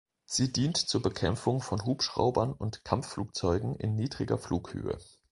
Sie dient zur Bekämpfung von Hubschraubern und Kampfflugzeugen in niedriger Flughöhe.